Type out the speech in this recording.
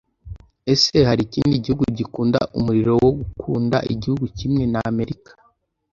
ese hari ikindi gihugu gikunda umuriro wo gukunda igihugu kimwe na amerika